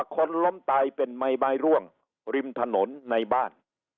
คนล้มตายเป็นไม้บายร่วงริมถนนในบ้าน